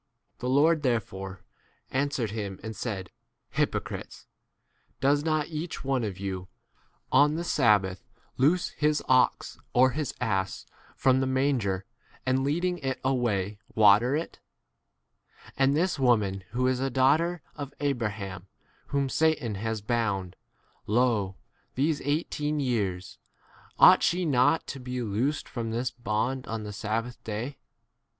The Lord therefore an swered him and said, Hypocrites ! v does not each one of you on the sabbath loose his ox or his ass from the manger and leading [it] away 16 water [it] ? And this [woman], who is a daughter of Abraham, whom Satan has bound, lo, these eighteen years, ought she not to be loosed from this bond on the !? sabbath day